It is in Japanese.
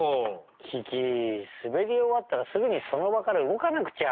キキすべりおわったらすぐにそのばからうごかなくちゃ。